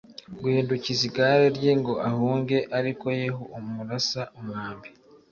guhindukiza igare rye ngo ahunge arikoYehu amurasa umwambi